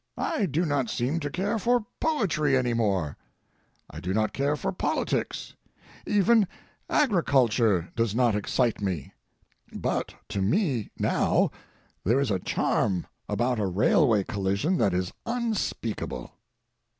I do not seem to care for poetry any more. I do not care for politics—even agriculture does not excite me. But to me now there is a charm about a railway collision that is unspeakable.